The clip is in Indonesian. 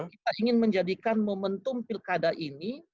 kita ingin menjadikan momentum pilkada ini